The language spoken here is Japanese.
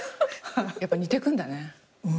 やっぱ似てくんだね。